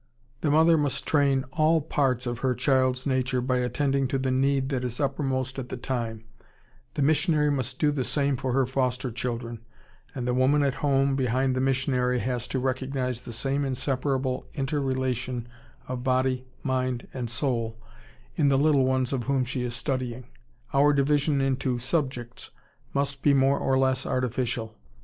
The mother must train all parts of her child's nature by attending to the need that is uppermost at the time, the missionary must do the same for her foster children, and the woman at home, behind the missionary, has to recognize the same inseparable inter relation of body, mind, and soul in the little ones of whom she is studying. Our divisions into "subjects" must be more or less artificial.